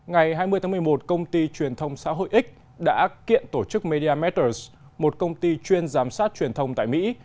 ngày hai mươi tháng một mươi một công ty truyền thông xã hội x đã kiện tổ chức media marters một công ty chuyên giám sát truyền thông tại mỹ